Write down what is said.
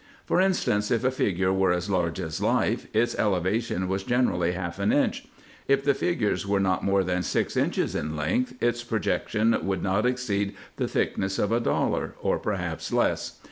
For instance, if a figure were as large as life, its elevation was generally half an inch ; if the figure were not more than six inches in length, its projection would not exceed the thickness of a dollar, or perhaps less.